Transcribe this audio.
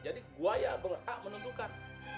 jadi gue yang berhak menentukan